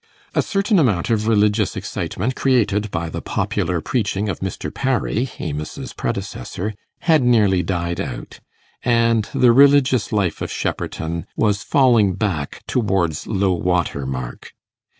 A certain amount of religious excitement created by the popular preaching of Mr. Parry, Amos's predecessor, had nearly died out, and the religious life of Shepperton was falling back towards low water mark.